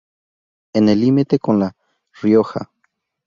En el límite con La Rioja.